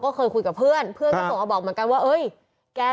ก็เคยคุยกับเพื่อนเพื่อนก็ส่งมาบอกเหมือนกันว่าเฮ้ยแก